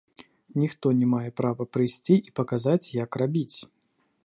Ніхто не мае права прыйсці і паказаць, як рабіць.